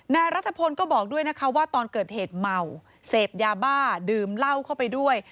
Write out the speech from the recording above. นายรัฐพลก็บอกด้วยนะคะว่าตอนเกิดเหตุเมาเสพยาบ้าดื่มเหล้าเข้าไปด้วย